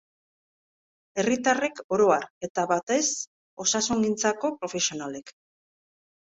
Herritarrek oro har, eta batez osasungintzako profesionalek.